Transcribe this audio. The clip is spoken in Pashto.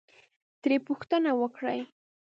ترې پوښتنه وکړئ،